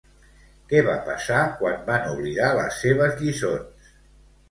Què va passar quan van oblidar les seves lliçons?